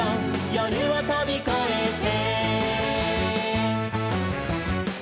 「夜をとびこえて」